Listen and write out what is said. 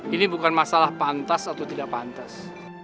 ini bukan masalah pantas atau tidak pantas